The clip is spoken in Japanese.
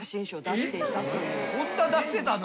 そんな出してた？